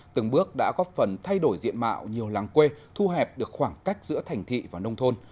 từng bước đã góp phần thay đổi diện mạo nhiều làng quê thu hẹp được khoảng cách giữa thành thị và nông thôn